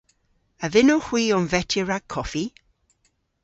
A vynnowgh hwi omvetya rag koffi?